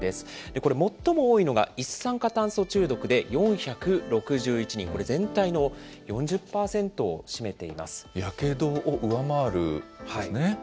これ、最も多いのが、一酸化炭素中毒で４６１人、これ全体の４０％を占めています。